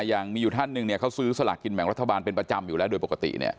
อย่างมีอยู่ท่านหนึ่งเขาซื้อสลากกินแหม่งรัฐบาลเป็นประจำอยู่แล้วโดยปกติ